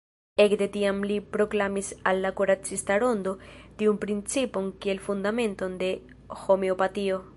Ekde tiam li proklamis al la kuracista rondo tiun principon kiel fundamenton de Homeopatio.